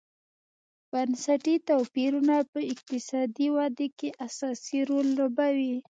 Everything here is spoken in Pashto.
بنسټي توپیرونه په اقتصادي ودې کې اساسي رول لوبوي.